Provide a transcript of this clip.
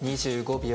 ２５秒。